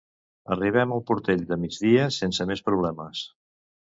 Arribem al Portell de Migdia sense més problemes.